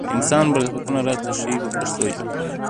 د انسان برخلیکونه راته ښيي په پښتو ژبه.